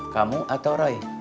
kamu atau roy